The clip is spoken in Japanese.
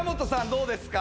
どうですか？